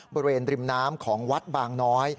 บริเวณริมน้ำของวัดบางน้อย